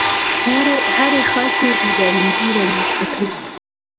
هرې خاصه ایدیالوژي رامنځته کړې.